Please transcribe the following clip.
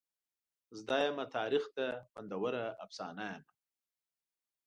زده یمه تاریخ ته خوندوره افسانه یمه.